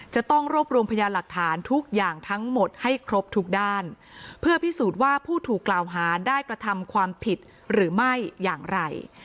จะต้องรวบรวมพยานหลักฐานทุกอย่างทั้งหมดให้ครบทุกด้านเพื่อพิสูจน์ว่าผู้ถูกกล่าวหาได้กระทำความผิดหรือไม่อย่างไร